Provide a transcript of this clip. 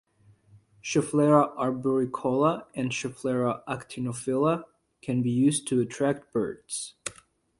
"Schefflera arboricola" and "Schefflera actinophylla" can be used to attract birds.